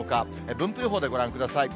分布予報でご覧ください。